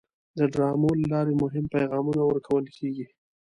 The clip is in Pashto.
د ډرامو له لارې مهم پیغامونه ورکول کېږي.